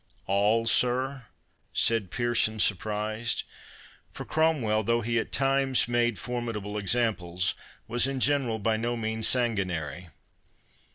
"All, sir?" said Pearson, surprised; for Cromwell, though he at times made formidable examples, was, in general, by no means sanguinary.